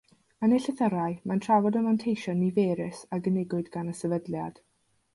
Yn ei llythyrau, mae'n trafod y manteision niferus a gynigiwyd gan y Sefydliad.